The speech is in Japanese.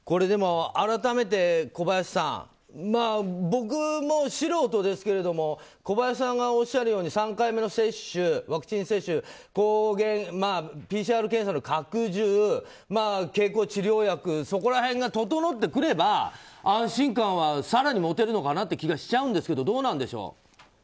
改めて、小林さん僕も素人ですけど小林さんがおっしゃるように３回目のワクチン接種ＰＣＲ検査の拡充、経口治療薬そこら辺が整ってくれば安心感は更に持てるのかなという気がしちゃうんですけどどうなんでしょう？